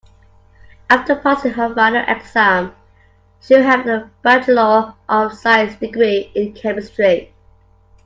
After passing her final exam she will have a bachelor of science degree in chemistry.